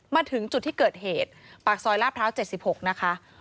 มาถึงจุดที่เกิดเหตุปากซอยลาดพร้าว๗๖นะคะ